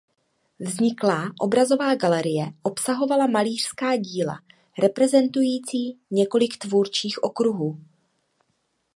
Vzniklá obrazová galerie obsahovala malířská díla reprezentující několik tvůrčích okruhů.